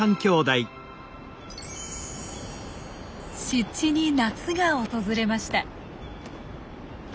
湿地に夏が訪れました。